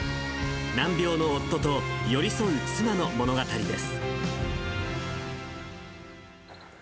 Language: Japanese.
難病の夫と寄り添う妻の物語です。